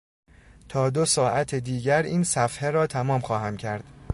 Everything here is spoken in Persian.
تا دو ساعت دیگر این صفحه را تمام خواهم کرد.